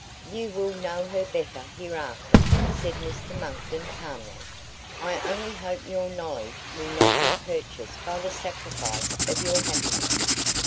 "You will know her better hereafter;" said Mr Monckton calmly, "I only hope your knowledge will not be purchased by the sacrifice of your happiness."